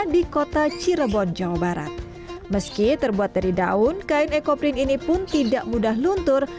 di kota cirebon jawa barat meski terbuat dari daun kain ekoprin ini pun tidak mudah luntur